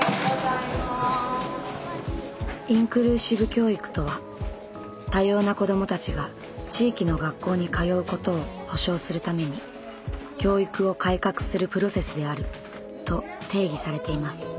インクルーシブ教育とは多様な子どもたちが地域の学校に通うことを保障するために教育を改革するプロセスであると定義されています。